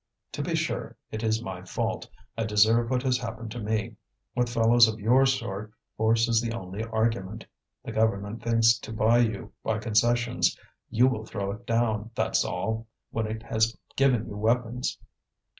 "To be sure, it is my fault; I deserve what has happened to me. With fellows of your sort force is the only argument. The Government thinks to buy you by concessions. You will throw it down, that's all, when it has given you weapons."